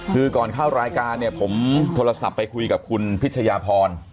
คือก่อนเข้ารายการเนี่ยผมโทรศัพท์ไปคุยกับคุณพิชยาพร